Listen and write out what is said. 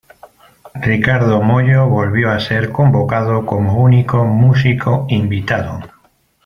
Ricardo Mollo volvió a ser convocado como único músico invitado.